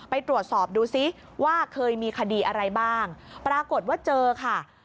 ไปตรวจสอบดูซิว่าเคยมีคดีอะไรบ้างปรากฏว่าเจอค่ะ